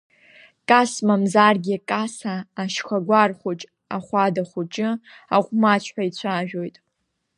Кас мамзаргьы каса ашьхагәар хәыҷ, ахәада хәыҷы, аҟә маҷ ҳәа ицәажәоит…